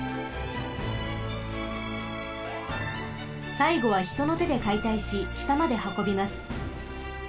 さいごはひとのてでかいたいししたまではこびます。